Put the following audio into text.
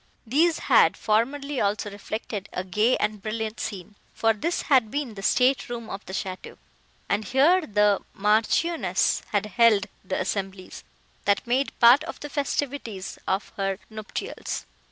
These had formerly also reflected a gay and brilliant scene, for this had been the state room of the château, and here the Marchioness had held the assemblies, that made part of the festivities of her nuptials.